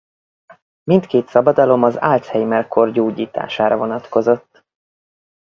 Mindkét szabadalom az Alzheimer-kór gyógyítására vonatkozott.